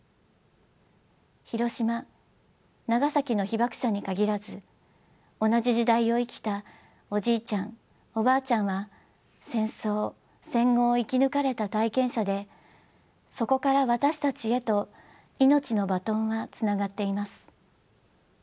広島・長崎の被爆者に限らず同じ時代を生きたおじいちゃんおばあちゃんは戦争戦後を生き抜かれた体験者でそこから私たちへと命のバトンはつながっています。